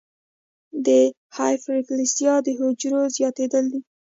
د هایپرپلاسیا د حجرو زیاتېدل دي.